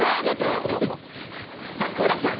はい好楽さん。